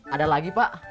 ada lagi pak